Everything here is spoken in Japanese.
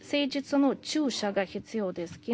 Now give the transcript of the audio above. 誠実の注射が必要です。